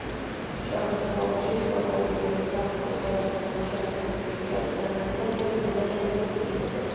ჭოროხის ხეობაში, შუა საუკუნეების საქართველოს სასაზღვრო ზოლში არსებული ციხეების განლაგება თითქოს ამაზე უნდა მიუთითებდეს.